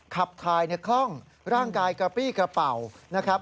ขับถ่ายคล่องร่างกายกระปี้กระเป๋านะครับ